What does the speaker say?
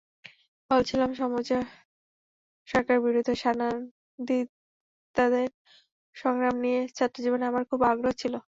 বলেছিলাম সামোজা সরকারের বিরুদ্ধে সান্দানিস্তাদের সংগ্রাম নিয়ে ছাত্রজীবনে আমার খুব আগ্রহ ছিল।